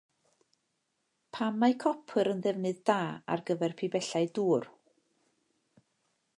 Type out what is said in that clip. Pam mae copr yn ddefnydd da ar gyfer pibellau dŵr?